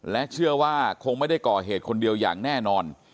และเชื่อว่าคงไม่ได้ก่อเหตุคนเดียวอย่างแน่นอน